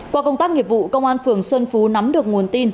qua công tác nghiệp vụ công an phường xuân phú nắm được nguồn tin